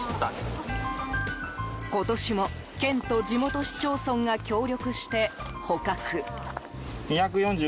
今年も、県と地元市町村が協力して捕獲。